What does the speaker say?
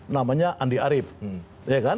namanya andi arief